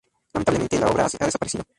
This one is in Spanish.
Lamentablemente, la obra ha desaparecido.